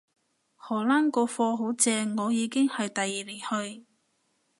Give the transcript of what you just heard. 荷蘭個課好正，我已經係第二年去